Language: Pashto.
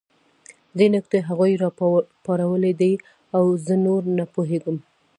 دې نکتې هغوی راپارولي دي او زه نور نه پوهېږم